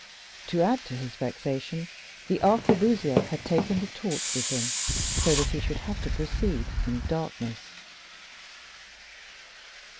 To add to his vexation, the arquebusier had taken the torch with him, so that he should have to proceed in darkness.